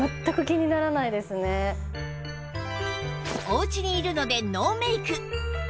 おうちにいるのでノーメイク